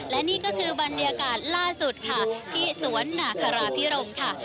และนี่ก็คือบรรยากาศล่าสุดค่ะที่สวนนาคาราพิรมค่ะ